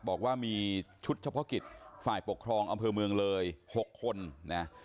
บอกว่ามีชุดเฉพาะกิจฝ่ายปกครองอำเภอเมืองเลย๖คนนะ